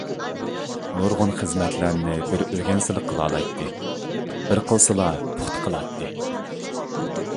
نۇرغۇن خىزمەتلەرنى بىر ئۆگەنسىلا قىلالايتتى، بىر قىلسىلا پۇختا قىلاتتى.